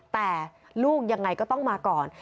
แต่ลูกยังไงก็ต้องมาก่อน